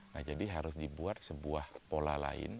nah jadi harus dibuat sebuah pola lain